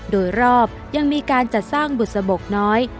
โดยรอบยังมีการจัดสร้างบุษบกน้อย